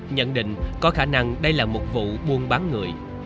gia đình có khả năng đây là một vụ buôn bán người